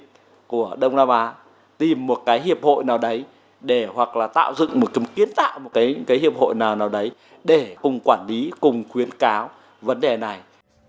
hiệp hội du lịch của đông nam á tìm một cái hiệp hội nào đấy để hoặc là tạo dựng một kiến tạo một cái hiệp hội nào nào đấy để cùng quản lý cùng khuyến cáo vấn đề này